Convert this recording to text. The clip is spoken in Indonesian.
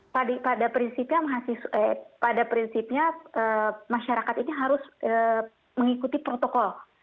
pada prinsipnya masyarakat ini harus mengikuti protokol